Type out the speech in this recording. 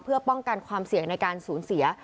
เพื่อป้องกันความเสี่ยงในการสูญเสีย